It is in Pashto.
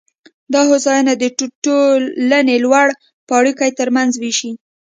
دا هوساینه د ټولنې لوړ پاړکي ترمنځ وېشي